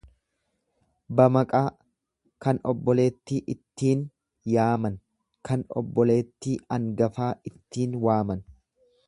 Bamaqaa kan obboleettii ittiin yaaman kan obboleettii angafaa ittiin waaman.